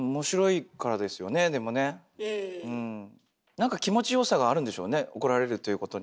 なんか気持ちよさがあるんでしょうね怒られるということに。